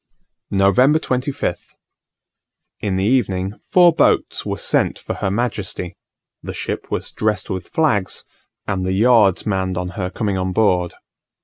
November 25th. In the evening four boats were sent for her majesty; the ship was dressed with flags, and the yards manned on her coming on board.